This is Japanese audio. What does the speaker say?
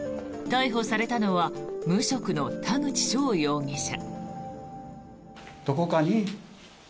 逮捕されたのは無職の田口翔容疑者。